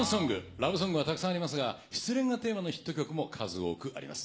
ラブソングはたくさんありますが、失恋がテーマのヒット曲も数多くあります。